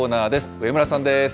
上村さんです。